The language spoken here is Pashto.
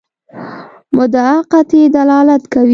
مدعا قطعي دلالت کوي.